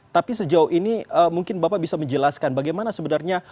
tapi sejauh ini mungkin bapak bisa menjelaskan bagaimana sebenarnya